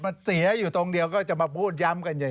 มันเสียอยู่ตรงเดียวก็จะมาพูดย้ำกันใหญ่